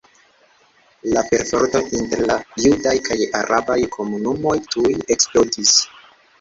La perforto inter la judaj kaj arabaj komunumoj tuj eksplodis.